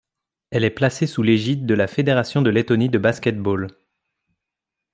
Elle est placée sous l'égide de la Fédération de Lettonie de basket-ball.